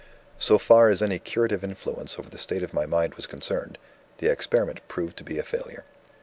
"So far as any curative influence over the state of my mind was concerned, the experiment proved to be a failure.